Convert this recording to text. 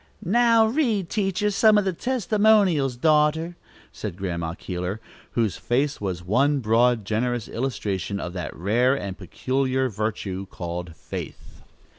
"Now, read teacher some of the testimonials, daughter," said Grandma Keeler, whose face was one broad, generous illustration of that rare and peculiar virtue called faith.